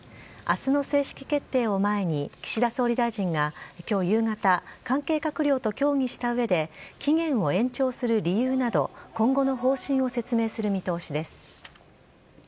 あすの正式決定を前に、岸田総理大臣がきょう夕方、関係閣僚と協議したうえで、期限を延長する理由など、今後の方針を説明する見通しです。